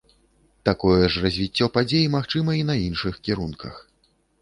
Такое ж развіццё падзей магчыма і на іншых кірунках.